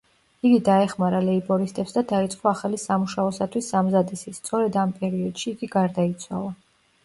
იგი დაეხმარა ლეიბორისტებს და დაიწყო ახალი სამუშაოსათვის სამზადისი, სწორედ ამ პერიოდში იგი გარდაიცვალა.